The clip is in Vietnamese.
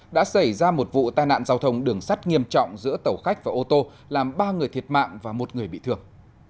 đã xảy ra một vụ tai nạn giao thông đường sắt nghiêm trọng giữa tàu khách và ô tô làm ba người thiệt mạng và một người bị thương